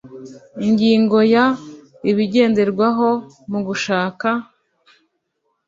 ingingo ya ibigenderwaho mu gushaka